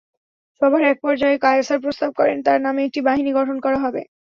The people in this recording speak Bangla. সভার একপর্যায়ে কায়সার প্রস্তাব করেন, তাঁর নামে একটি বাহিনী গঠন করা হবে।